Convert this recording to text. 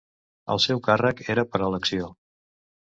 El seu càrrec era per elecció.